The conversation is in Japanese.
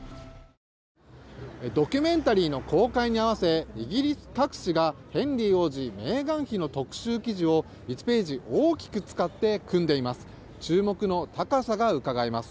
ドキュメンタリーの公開に合わせイギリス各紙がヘンリー王子、メーガン妃の特集記事を１ページ大きく使って組んでいます。